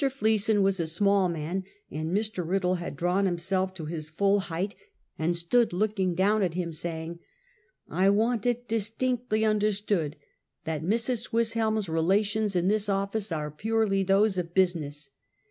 Fleeson was a small man and Mr. Kiddle had drawn himself to his full height and stood looking down at him, saying: " I want it distinctly understood that Mrs. Swiss helm's relations in this office are purely those of busi ness.